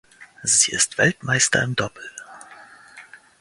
Sie ist Weltmeister im Doppel.